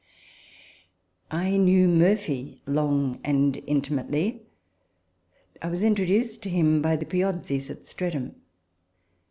I knew Murphy long and intimately : I was intro duced to him by the Piozzis at Streatham.